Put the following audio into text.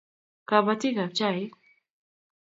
Kabatik ab chaik